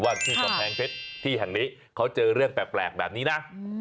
ที่กำแพงเพชรที่แห่งนี้เขาเจอเรื่องแปลกแบบนี้นะ